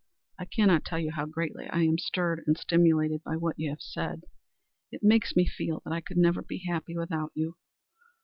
I cannot tell you how greatly I am stirred and stimulated by what you have said. It makes me feel that I could never be happy without you."